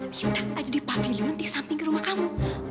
kita ada di pavilion di samping rumah kamu